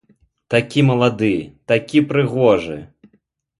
Такі малады, такі прыгожы!